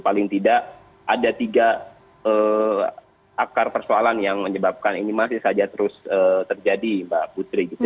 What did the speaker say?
paling tidak ada tiga akar persoalan yang menyebabkan ini masih saja terus terjadi mbak putri